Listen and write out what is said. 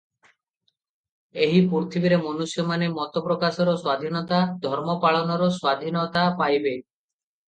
ଏହି ପୃଥିବୀରେ ମନୁଷ୍ୟମାନେ ମତପ୍ରକାଶର ସ୍ୱାଧୀନତା, ଧର୍ମପାଳନର ସ୍ୱାଧୀନତା ପାଇବେ ।